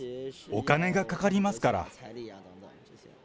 お金がかかりますから。